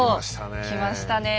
きましたねえ。